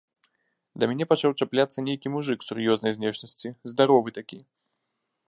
Да мяне пачаў чапляцца нейкі мужык сур'ёзнай знешнасці, здаровы такі.